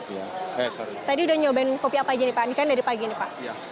tadi udah nyobain kopi apa aja nih pak ini kan dari pagi ini pak